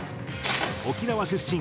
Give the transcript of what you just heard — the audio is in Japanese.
沖縄出身